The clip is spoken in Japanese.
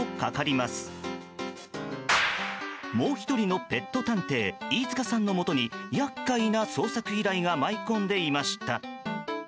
もう１人のペット探偵飯塚さんのもとに厄介な捜索依頼が舞い込んでいました。